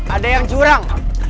ada yang curang